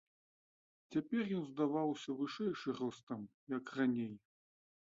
Цяпер ён здаваўся вышэйшы ростам, як раней.